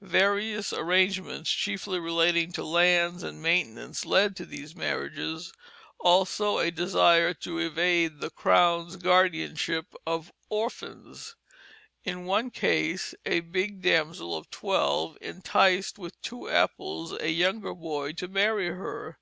Various arrangements, chiefly relating to lands and maintenance, led to these marriages, also a desire to evade the Crown's guardianship of orphans. In one case, a "bigge damsell" of twelve "intysed with two apples" a younger boy to marry her.